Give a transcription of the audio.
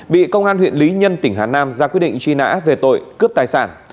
bị công an huyện lý nhân tỉnh hà nam ra quyết định truy nã về tội cướp tài sản